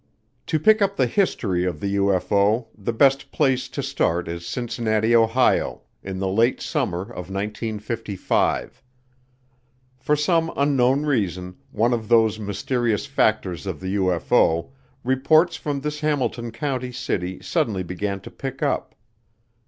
To pick up the history of the UFO the best place to start is Cincinnati, Ohio, in the late summer of 1955. For some unknown reason, one of those mysterious factors of the UFO, reports from this Hamilton County city suddenly began to pick up.